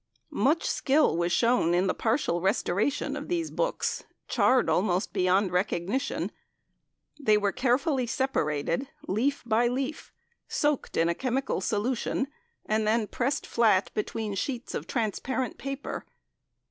Much skill was shown in the partial restoration of these books, charred almost beyond recognition; they were carefully separated leaf by leaf, soaked in a chemical solution, and then pressed flat between sheets of transparent paper.